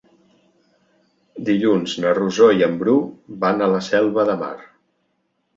Dilluns na Rosó i en Bru van a la Selva de Mar.